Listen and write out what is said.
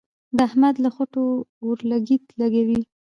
د احمد له خوټو اورلګيت لګېږي.